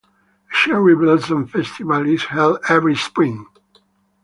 A cherry blossom festival is held every spring.